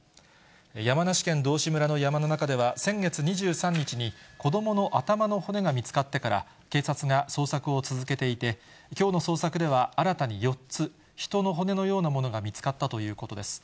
山梨県道志村の山の中では、先月２３日に、子どもの頭の骨が見つかってから、警察が捜索を続けていて、きょうの捜索では、新たに４つ、人の骨のようなものが見つかったということです。